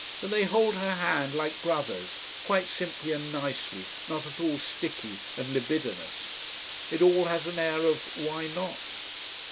But they hold her hand like brothers quite simply and nicely, not at all sticky and libidinous. It all has an air of "Why not?"